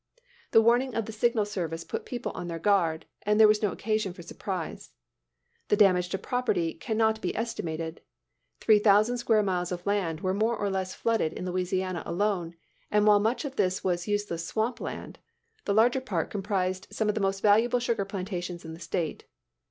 The warning of the Signal Service put people on their guard, and there was no occasion for surprise. The damage to property can not be estimated. Three thousand square miles of land were more or less flooded in Louisiana alone; and while much of this was useless swamp land, the larger part comprised some of the most valuable sugar plantations in the State.